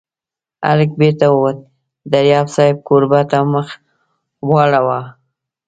هلک بېرته ووت، دریاب صاحب کوربه ته مخ واړاوه.